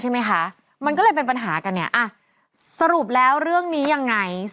ใช่มั้ยคะมันก็เลยเป็นปัญหากันศรูปแล้วเรื่องนี้ยังไง